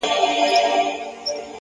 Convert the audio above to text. پرمختګ له پرلهپسې زده کړې ځواک اخلي.!